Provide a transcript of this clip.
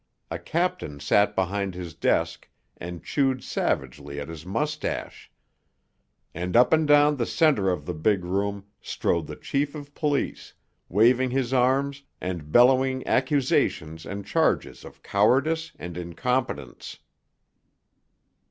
A captain sat behind his desk and chewed savagely at his mustache. And up and down the center of the big room strode the chief of police, waving his arms and bellowing accusations and charges of cowardice and incompetence.